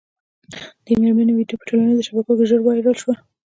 د دې مېرمني ویډیو په ټولنیزو شبکو کي ژر وایرل سوه